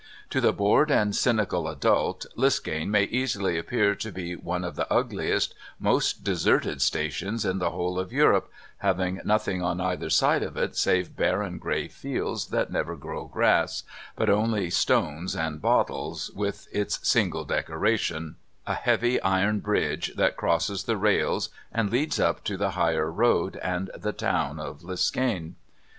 To the bored and cynical adult Liskane may easily appear to be one of the ugliest, most deserted stations in the whole of Europe, having nothing on either side of it save barren grey fields that never grow grass but only stones and bottles, with its single decoration a heavy iron bridge that crosses the rails and leads up to the higher road and the town of Liskane.